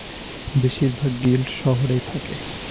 বেশিরভাগ গিল্ড শহরেই থাকে।